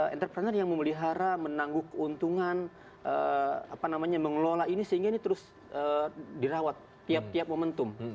entrepreneur yang memelihara menangguh keuntungan mengelola ini sehingga ini terus dirawat tiap tiap momentum